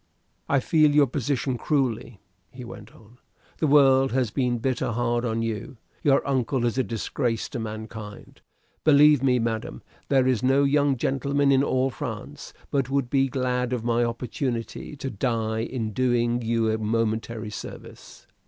"I feel your position cruelly," he went on. "The world has been bitter hard on you. Your uncle is a disgrace to mankind. Believe me, madam, there is no young gentleman in all France but would be glad of my opportunity, to die in doing you a momentary service."